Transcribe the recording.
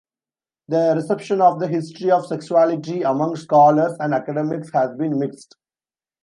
The reception of "The History of Sexuality" among scholars and academics has been mixed.